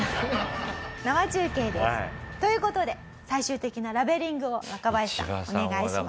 生中継です。という事で最終的なラベリングを若林さんお願いします。